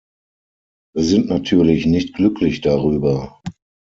Wir sind natürlich nicht glücklich darüber.